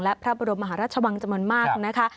และพระบรมหาราชวังจะหมดมากนะคะ